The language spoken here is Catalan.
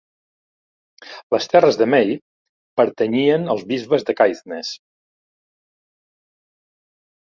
Les terres de Mey pertanyien als bisbes de Caithness.